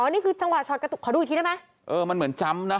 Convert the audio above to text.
อ๋อนี่คือชะวัดขอดูอีกทีได้ไหมเออมันเหมือนจำนะ